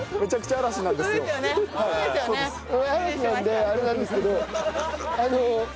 嵐なんであれなんですけど。